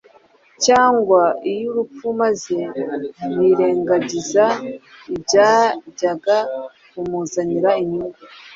cyangwa iy’urupfu maze yirengagiza ibyajyaga kumuzanira inyungu,